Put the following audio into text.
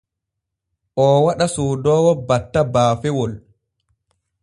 Oo waɗa soodoowo batta baafewol.